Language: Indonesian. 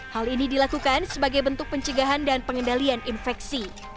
hal ini dilakukan sebagai bentuk pencegahan dan pengendalian infeksi